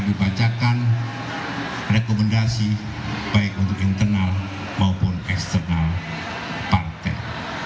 dibacakan rekomendasi baik untuk internal maupun eksternal partai